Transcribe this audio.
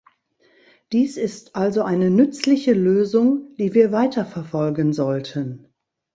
Dies ist also eine nützliche Lösung, die wir weiterverfolgen sollten.